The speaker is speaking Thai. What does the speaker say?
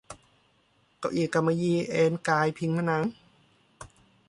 เก้าอี้กำมะหยี่เอนกายพิงผนัง